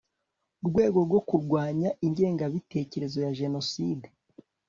rwego rwo kurwanya ingengabitekerezo ya Jenoside